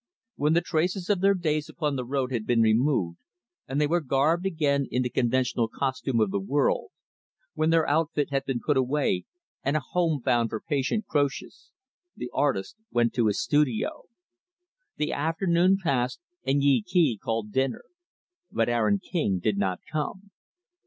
When the traces of their days upon the road had been removed, and they were garbed again in the conventional costume of the world; when their outfit had been put away, and a home found for patient Croesus; the artist went to his studio. The afternoon passed and Yee Kee called dinner; but Aaron King did not come.